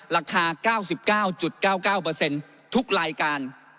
ราคา๙๙๙๙๙ทุกรายการ